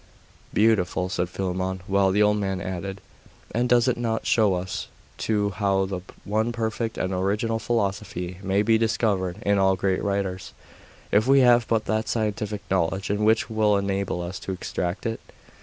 'Beautiful!' said Philammon, while the old man added 'And does it not show us, too, how the one perfect and original philosophy may be discovered in all great writers, if we have but that scientific knowledge which will enable us to extract it?